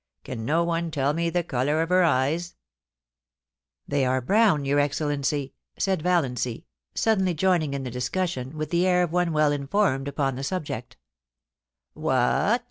Can no one tell me the colour of her eyes ?' They are brown, your Excellency,' said Valiancy, suddenly joining in the discussion, with the air of one well informed upon the subject ' What